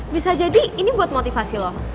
bisa jadi ini buat motivasi loh